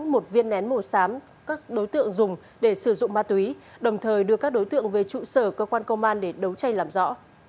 một viên nén màu xám các đối tượng dùng để sử dụng ma túy đồng thời đưa các đối tượng về trụ sở cơ quan công an để đấu tranh làm rõ